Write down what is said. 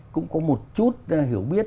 cũng có một chút hiểu biết